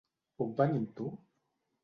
Puc venir amb tu?